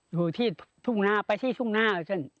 อยู่ที่ทุ่งหน้าไปที่ทุ่งหน้าเช่น